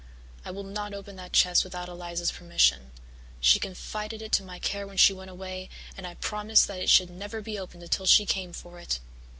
"I will not open that chest without Eliza's permission. She confided it to my care when she went away, and I promised that it should never be opened until she came for it."